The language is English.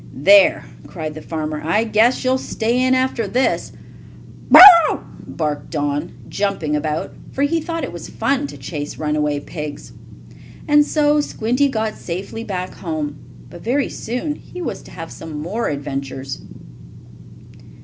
"There!" cried the farmer. "I guess you'll stay in after this." "Bow wow!" barked Don, jumping about, for he thought it was fun to chase runaway pigs. And so Squinty got safely back home. But very soon he was to have some more adventures.